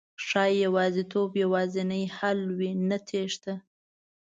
ښایي يوازېتوب یوازېنی حل وي، نه تېښته